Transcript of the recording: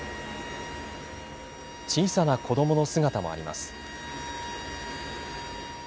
小さな子どもの姿もあります。